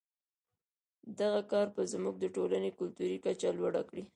دغه کار به زموږ د ټولنې کلتوري کچه لوړه کړي.